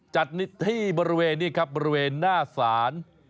จัดนิดที่บริเวณนี่ครับบริเวณหน้าสาร